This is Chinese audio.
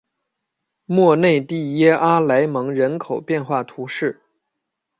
莫内蒂耶阿莱蒙人口变化图示